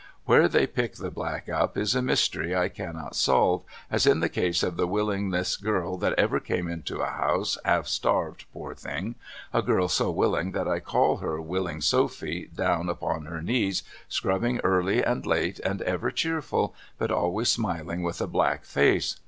AN'here they pick the black up is a mystery I cannot solve, as in the case of the willingest girl that ever came into a house half starved poor thing, a girl so willing that I called her Willing Soi)hy down upon her knees scrubbing early and late and ever cheerful but always smiling with a black face.